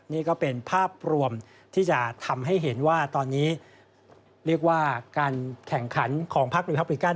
นี่ก็เป็นภาพรวมที่จะทำให้เห็นว่าตอนนี้เรียกว่าการแข่งขันของพักรีฮับริกัน